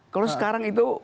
kalau sekarang itu